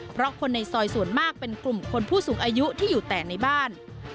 เพราะคนในซอยส่วนมากเป็นกลุ่มคนผู้สูงอายุที่อยู่แต่ในบ้าน